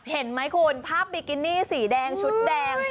เห็นไหมคุณภาพบิกินี่สีแดงชุดแดง